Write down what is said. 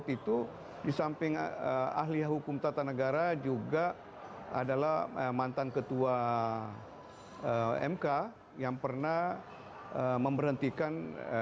itu di samping ahli hukum tata negara juga adalah mantan ketua mk yang pernah memberhentikan